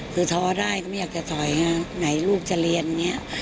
คือท้อได้ก็ไม่อยากจะถอยไหนลูกจะเรียนอย่างนี้